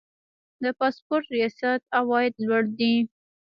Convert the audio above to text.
د پاسپورت ریاست عواید لوړ دي